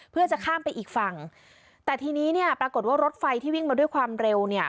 เพื่อจะข้ามไปอีกฝั่งแต่ทีนี้เนี่ยปรากฏว่ารถไฟที่วิ่งมาด้วยความเร็วเนี่ย